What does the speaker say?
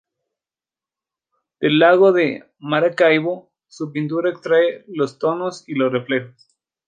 Del Lago de Maracaibo, su pintura extrae los tonos y los reflejos.